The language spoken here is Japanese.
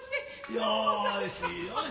よしよし。